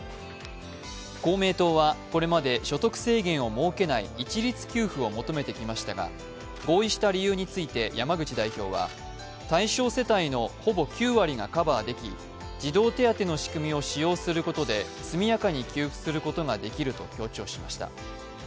公明党はこれまで所得制限を設けない一律給付を求めてきましたが合意した理由について山口代表は対象世帯のほぼ９割がカバーでき、児童手当の仕組みを使用することで速やかに給付することができると強調しました。